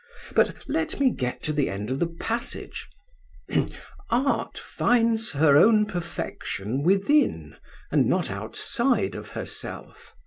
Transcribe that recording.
But let me get to the end of the passage: 'Art finds her own perfection within, and not outside of, herself.